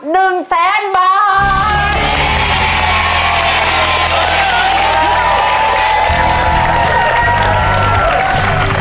หนึ่งแสนบาท